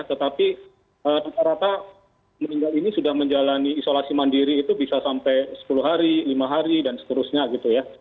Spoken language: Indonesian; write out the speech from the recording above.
tetapi rata rata meninggal ini sudah menjalani isolasi mandiri itu bisa sampai sepuluh hari lima hari dan seterusnya gitu ya